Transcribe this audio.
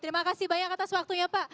terima kasih banyak atas waktunya pak